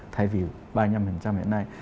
thay vì ba mươi năm hiện nay